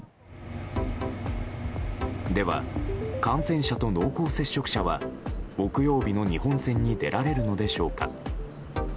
では、感染者と濃厚接触者は木曜の日本戦に出られるのでしょうか。